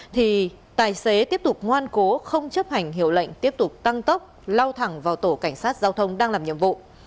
thì tài xế tiếp tục ngoan cố không chấp hành hiệu lệnh tiếp tục tăng tốc lau thẳng vào tổ cảnh sát giao thông đang làm nhiệm vụ